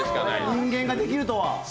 人間ができるとは。